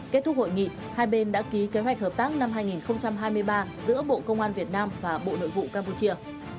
kết thúc hội nghị hai bên đã ký kế hoạch hợp tác năm hai nghìn hai mươi ba giữa bộ công an việt nam và bộ nội vụ campuchia